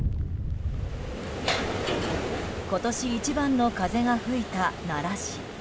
今年一番の風が吹いた奈良市。